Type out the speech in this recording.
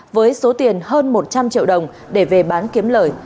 với số tiền hơn một trăm linh triệu đồng để về bán kiếm lời